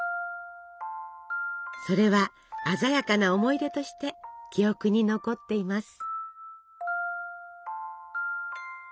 それは鮮やかな思い出として記憶に残っています。